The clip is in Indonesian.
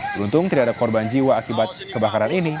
beruntung tidak ada korban jiwa akibat kebakaran ini